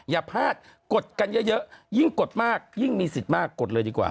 อย่าพลาดกดกันเยอะยิ่งกดมากยิ่งมีสิทธิ์มากกดเลยดีกว่า